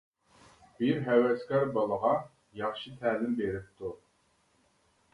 بىر ھەۋەسكار بالىغا، ياخشى تەلىم بېرىپتۇ.